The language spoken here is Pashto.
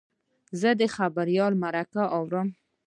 زه د خبریال مرکه اورم.